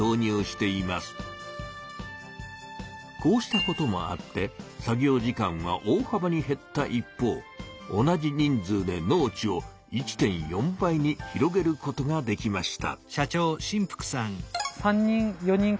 こうしたこともあって作業時間は大はばにへった一方同じ人数で農地を１．４倍に広げることができました。